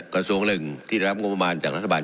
กระทรวงหนึ่งที่ได้รับงบประมาณจากรัฐบาล